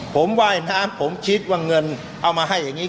ผมว่ายน้ำผมคิดว่าเงินเอามาให้อย่างนี้